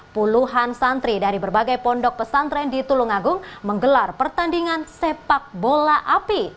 puluhan santri dari berbagai pondok pesantren di tulung agung menggelar pertandingan sepak bola api